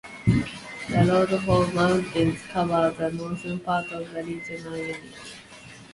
The Rhodope Mountains cover the northern part of the regional unit.